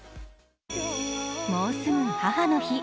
もうすぐ母の日。